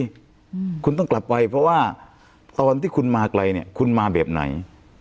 อืมคุณต้องกลับไปเพราะว่าตอนที่คุณมาไกลเนี้ยคุณมาแบบไหน